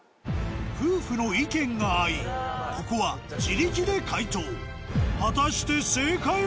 夫婦の意見が合いここは自力で解答果たして正解は？